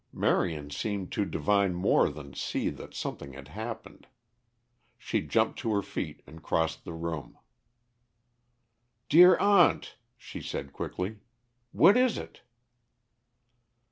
Marion seemed to divine more than see that something had happened. She jumped to her feet and crossed the room. "Dear aunt," she said quickly. "What is it?"